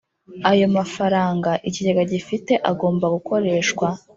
Ayo mafaranga ikigega gifite agomba gukoreshwa